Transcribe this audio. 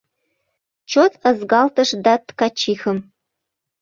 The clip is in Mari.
Чот ызгалтыш да ткачихым